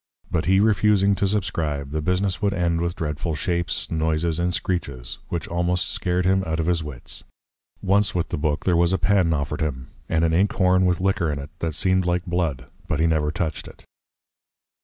But he refusing to subscribe, the business would end with dreadful Shapes, Noises and Screeches, which almost scared him out of his Wits. Once with the Book, there was a Pen offered him, and an Ink horn with Liquor in it, that seemed like Blood: But he never toucht it.